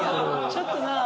ちょっとなあ。